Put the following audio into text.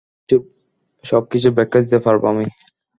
সবকিছুর ব্যাখ্যা দিতে পারব আমি।